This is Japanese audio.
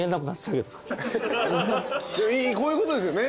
こういうことですよね？